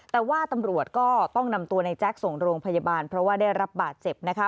แต่ว่าตำรวจก็ต้องนำตัวในแจ๊คส่งโรงพยาบาลเพราะว่าได้รับบาดเจ็บนะคะ